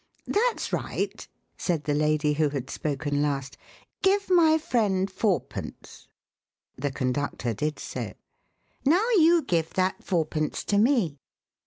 "That's right," said the lady who had spoken last, "give my friend fourpence." The conductor did so. "Now you give that fourpence to me."